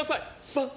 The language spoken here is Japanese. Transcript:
バン！